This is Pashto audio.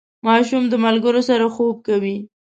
ماشوم د ملګرو سره خوب کوي.